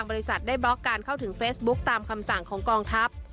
บริษัทได้บล็อกการเข้าถึงเฟซบุ๊คตามคำสั่งของกองทัพ